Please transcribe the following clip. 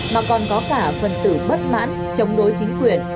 mà còn có cả phần tử bất mãn chống đối chính quyền